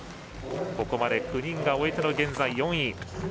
ここまで９人を終えての現在４位。